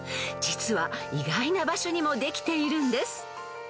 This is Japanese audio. ［実は意外な場所にもできているんです］